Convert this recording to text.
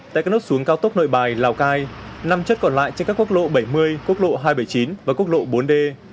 tại các nút xuống cao tốc nội bài lào cai nằm chất còn lại trên các quốc lộ bảy mươi quốc lộ hai trăm bảy mươi chín và quốc lộ bốn d